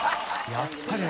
やっぱりね